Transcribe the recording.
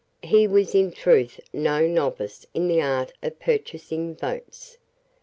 He was in truth no novice in the art of purchasing votes.